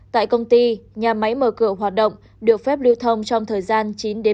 tại công ty nhà máy mở cửa hoạt động được phép lưu thông trong thời gian chín đến một mươi một giờ